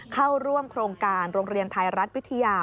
เข้าร่วมโครงการโรงเรียนไทยรัฐวิทยา